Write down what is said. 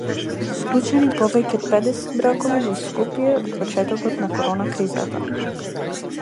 Склучени повеќе од педесет бракови во Скопје од почетокот на корона кризата